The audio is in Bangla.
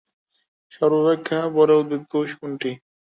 সর্বাপেক্ষা বড় উদ্ভিদকোষ কোনটি?